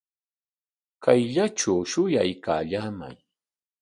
Kayllatraw shuyaykallaamay